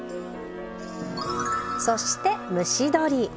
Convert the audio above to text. そして蒸し鶏。